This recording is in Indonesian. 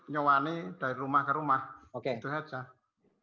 nyewani dari rumah ke rumah itu saja oke